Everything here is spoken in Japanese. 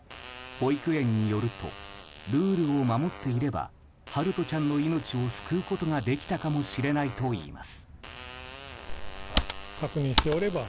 保育園によるとルールを守っていれば陽翔ちゃんの命を救うことができたかもしれないといいます。